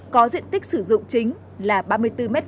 có diện tích sử dụng chính là ba mươi bốn m hai